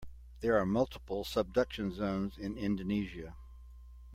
There are multiple subduction zones in Indonesia.